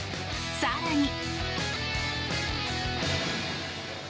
更に。